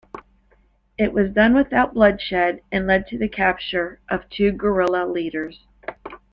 It was done without bloodshed and led to the capture of two guerilla leaders.